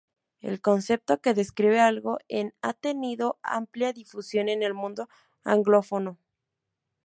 El concepto que describe algo en ha tenido amplia difusión en el mundo anglófono.